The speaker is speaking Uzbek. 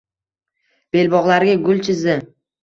Belbog`larga gul chizdi